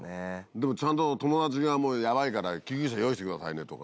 でもちゃんと友達がヤバいから救急車用意してくださいねとか。